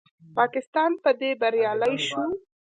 پاکستان په دې بریالی شو